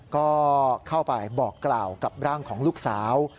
ก็เข้าไปบอกกล่าวกับร่างของลูกสาว